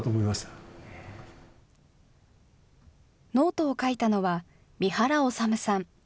ノートを書いたのは三原脩さん。